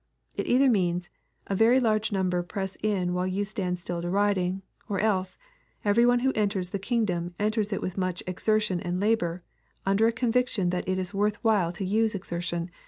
It either means, " a very large number press in while you stand still deriding ;"— or else, " every one who enters the kingdom, enters it with much exertion and labor, under a con viction that it is worth while to use exertion.